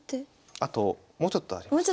あともうちょっとあります。